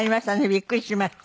びっくりしました。